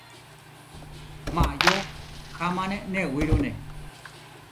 Maayó hámane newírune.